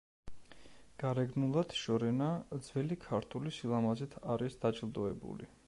გარეგნულად შორენა ძველი ქართული სილამაზით არის დაჯილდოებული.